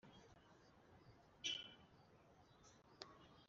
Komite ifite inshingano zikubiye mu mategeko asanzwe